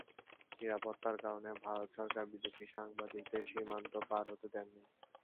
নিরাপত্তার কারণে ভারত সরকার বিদেশি সাংবাদিকদের সীমান্ত পার হতে দিত না।